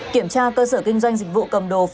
kiểm tra cơ sở kinh doanh dịch vụ cầm đồ phát hiện